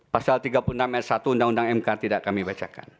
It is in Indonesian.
pasal tiga puluh enam s satu undang undang mk tidak kami bacakan